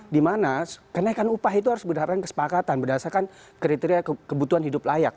di mana kenaikan upah itu harus berhargaan kesepakatan berdasarkan kriteria kebutuhan hidup layak